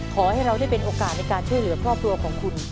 ขอให้เราได้เป็นโอกาสในการช่วยเหลือครอบครัวของคุณ